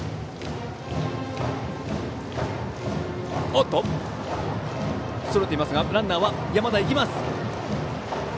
おっと、それていますがランナーは山田、行きます！